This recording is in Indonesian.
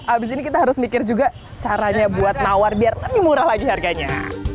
abis ini kita harus mikir juga caranya buat nawar biar lebih murah lagi harganya